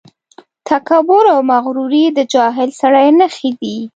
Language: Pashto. تکبر او مغروري د جاهل سړي نښې دي.